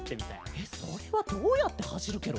えっそれはどうやってはしるケロ？